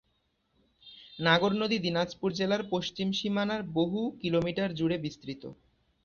নাগর নদী দিনাজপুর জেলার পশ্চিম সীমানার বহু কিলোমিটার জুড়ে বিস্তৃত।